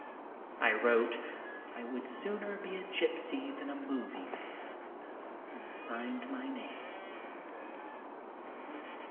I wrote, "I would sooner be a gypsy than a movie man," and signed my name.